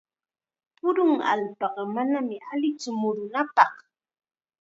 Purun allpaqa manam allitsu murunapaq.